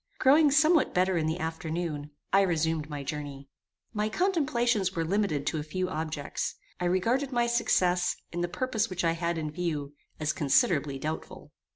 Growing somewhat better in the afternoon, I resumed my journey. My contemplations were limited to a few objects. I regarded my success, in the purpose which I had in view, as considerably doubtful.